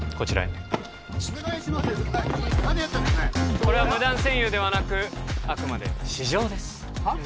ねえこれは無断占有ではなくあくまで試乗ですはっ？